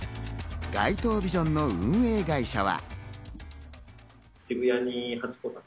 街頭ビジョンの運営会社は。